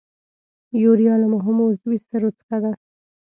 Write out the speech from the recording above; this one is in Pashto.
یوریا له مهمو عضوي سرو څخه ده.